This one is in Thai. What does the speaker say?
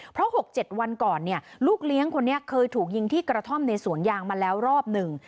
เพราะ๖๗วันก่อนเนี่ยลูกเลี้ยงคนนี้เคยถูกยิงที่กระท่อมในสวนยางมาแล้วรอบหนึ่ง